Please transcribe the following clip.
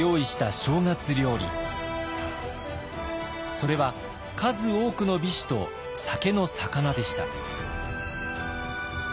それは数多くの美酒と酒の肴でした。